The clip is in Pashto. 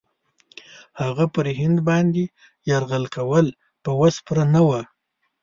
هغه پر هند باندي یرغل کول په وس پوره نه وه.